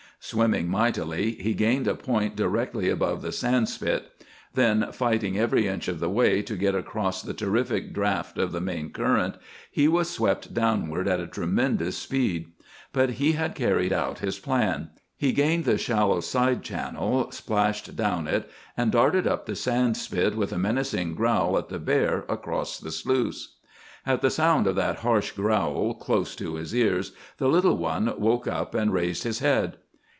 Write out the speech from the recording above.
Swimming mightily, he gained a point directly above the sand spit. Then, fighting every inch of the way to get across the terrific draft of the main current, he was swept downward at a tremendous speed. But he had carried out his plan. He gained the shallow side channel, splashed down it, and darted up the sand spit with a menacing growl at the bear across the sluice. At the sound of that harsh growl close to his ears the little one woke up and raised his head.